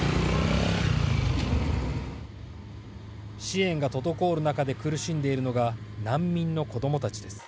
支援が滞る中で苦しんでいるのが難民の子どもたちです。